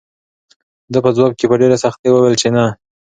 ده په ځواب کې په ډېرې سختۍ وویل چې نه.